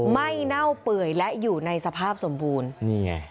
ไหม้เน่าเปื่อยและอยู่ในสภาพสมบูรณ์